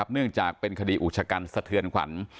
เนื่องจากเป็นคดีอุชกันสะเทือนขวัญ